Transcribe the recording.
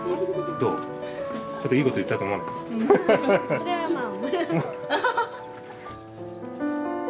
それはまあ。